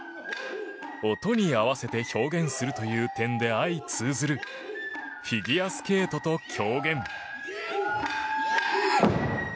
音に合わせて表現するという点で相通ずるフィギュアスケートと狂言。